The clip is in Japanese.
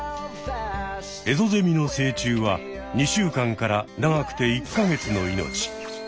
エゾゼミの成虫は２週間から長くて１か月の命。